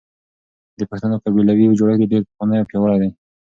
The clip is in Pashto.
د پښتنو قبيلوي جوړښت ډېر پخوانی او پياوړی دی.